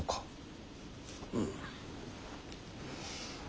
うん。